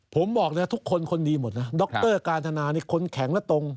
ผมบอกนะทุกคนคนดีหมดนะดรการธนานี่คนแข็งและตรง